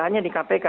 hanya di kpk